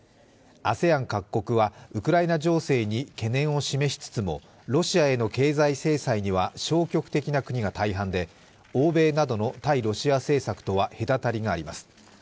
ＡＳＥＡＮ各国は、ウクライナ情勢に懸念を示しつつも、ロシアへの経済制裁には消極的な国が大半で欧米などの対ロシア政策とは隔たりがあります。